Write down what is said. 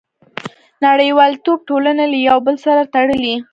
• نړیوالتوب ټولنې له یو بل سره تړلي.